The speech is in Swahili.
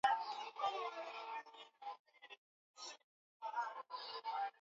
Mapishi Bora ya Viazi lishe yatunze kutunza virutubisho